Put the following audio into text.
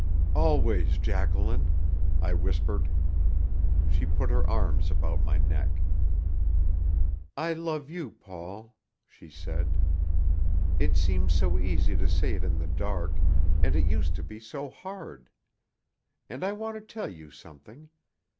"Always, Jacqueline," I whispered. She put her arms about my neck. "I love you, Paul," she said. "It seems so easy to say it in the dark, and it used to be so hard. And I want to tell you something.